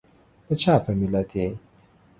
دچا په ملت یي؟